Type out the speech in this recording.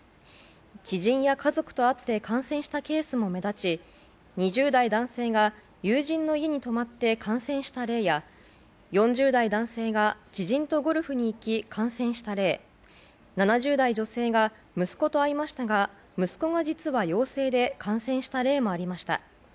知人や家族と会って感染したケースも目立ち２０代男性が友人の家に泊まって感染した例や４０代男性が知人とゴルフに行き感染した例７０代女性が息子と会いましたが息子が実は陽性で感染した例もありました。